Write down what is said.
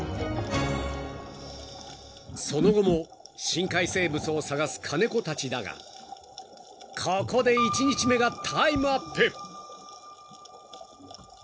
［その後も深海生物を探す金子たちだがここで１日目がタイムアップ］